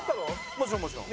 もちろんもちろん。